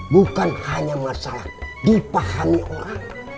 bukan hanya masalah dipahami orang